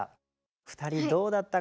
２人どうだったかな？